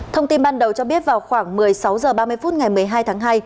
thông tin ban đầu cho biết vào khoảng một mươi sáu h ba mươi phút ngày một mươi hai tháng hai